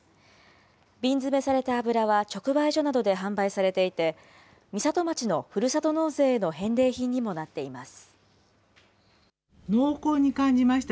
瓶詰めされた油は直売所などで販売されていて、美里町のふるさと納税への返礼品にもなっています。